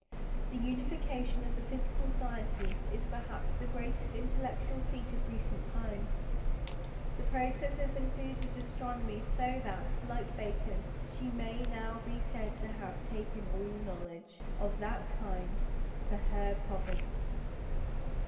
The unification of the physical sciences is perhaps the greatest intellectual feat of recent times. The process has included astronomy; so that, like Bacon, she may now be said to have "taken all knowledge" (of that kind) "for her province."